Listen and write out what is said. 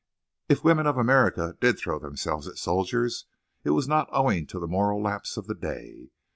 "If women of America did throw themselves at soldiers it was not owing to the moral lapse of the day.